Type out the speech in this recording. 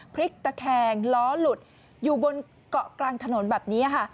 พลิกตะแคงล้อหลุดอยู่บนเกาะกลางถนนแบบนี้ค่ะ